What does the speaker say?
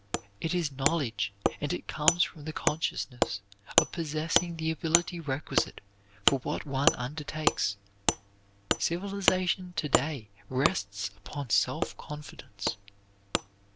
It is knowledge, and it comes from the consciousness of possessing the ability requisite for what one undertakes. Civilization to day rests upon self confidence.